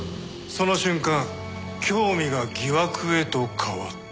その瞬間興味が疑惑へと変わった。